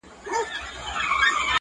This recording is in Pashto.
لکه کنگل تودو اوبو کي پروت يم,